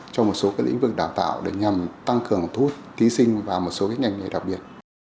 cho một số lĩnh vực đào tạo để nhằm tăng cường thu hút thí sinh vào một số ngành nghề đặc biệt